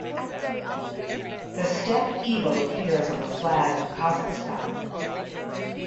The Steppe Eagle appears on the flag of Kazakhstan.